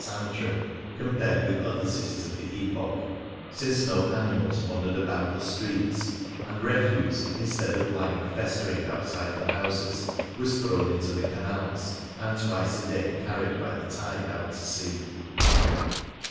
*nitary compared with other cities of the epoch, since no animals wandered about the 138 Varia streets, and refuse, instead of lying festering outside the houses, was thrown into the canals, and twice a day carried by the tide out to sea.